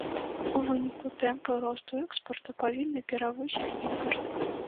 У выніку тэмпы росту экспарту павінны перавысіць імпарт.